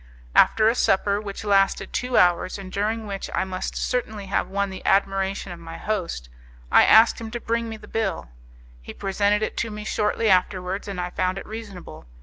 After a supper which lasted two hours, and during which I must certainly have won the admiration of my host, I asked him to bring me the bill. He presented it to me shortly afterwards, and I found it reasonable.